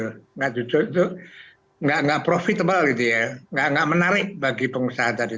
tidak cucuk itu tidak profitable gitu ya tidak menarik bagi pengusaha tadi